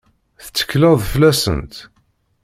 Tettekleḍ fell-asent?